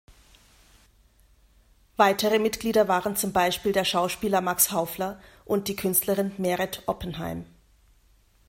Weitere Mitglieder waren zum Beispiel der Schauspieler Max Haufler und die Künstlerin Meret Oppenheim.